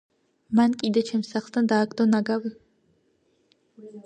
მან კიდე ჩემს სახლთან დააგდო ნაგავი